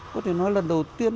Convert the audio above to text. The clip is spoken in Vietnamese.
có thể nói lần đầu tiên